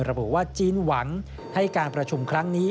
ระบุว่าจีนหวังให้การประชุมครั้งนี้